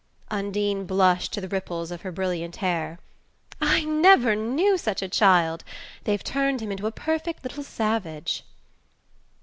Undine blushed to the ripples of her brilliant hair. "I never knew such a child! They've turned him into a perfect little savage!"